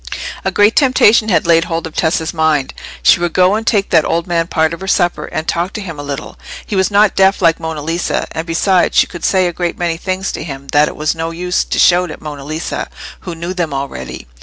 A great temptation had laid hold of Tessa's mind; she would go and take that old man part of her supper, and talk to him a little. He was not deaf like Monna Lisa, and besides she could say a great many things to him that it was no use to shout at Monna Lisa, who knew them already.